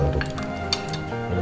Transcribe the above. ini udah ratel tu